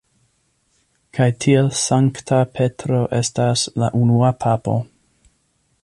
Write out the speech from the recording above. Kaj tiel Sankta Petro estas la unua papo.